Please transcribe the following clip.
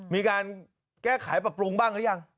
มีการแก้ไขปรับปรุงบ้างหรือยัง